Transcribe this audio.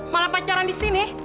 malah pacaran di sini